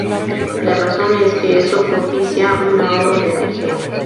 La razón es que eso propicia un ahorro de energía.